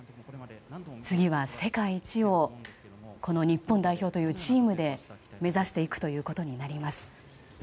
次は世界一をこの日本代表というチームで目指していくことになります。